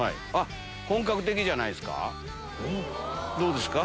本格的じゃないっすか。